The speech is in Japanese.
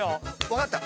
分かった！